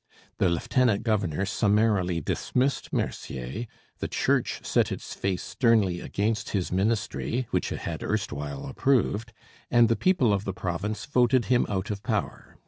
The lieutenant governor summarily dismissed Mercier, the Church set its face sternly against his ministry, which it had erstwhile approved, and the people of the province voted him out of power (1892).